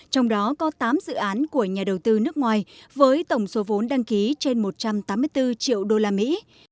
trong đó có tám dự án của nhà đầu tư nước ngoài với tổng số vốn đăng ký trên một trăm tám mươi bốn triệu đô la mỹ